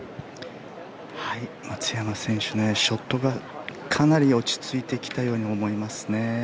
松山選手、ショットがかなり落ち着いてきたように思いますね。